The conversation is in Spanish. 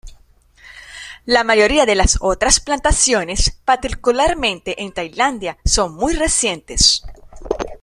La mayoría de las otras plantaciones, particularmente en Tailandia, son muy recientes.